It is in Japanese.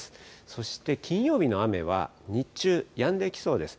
そして金曜日の雨は、日中やんできそうです。